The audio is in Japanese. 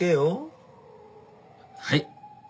はい。